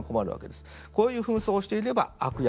こういう扮装をしていれば悪役